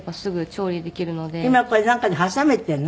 今これなんかで挟めているの？